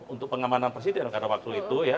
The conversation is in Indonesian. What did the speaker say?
untuk pengamanan presiden karena waktu itu ya